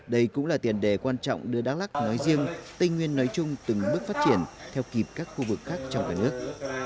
đây cũng là tiền đề quan trọng đưa đắk lắc nói riêng tây nguyên nói chung từng bước phát triển theo kịp các khu vực khác trong cả nước